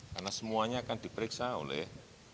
karena semuanya akan diperiksa oleh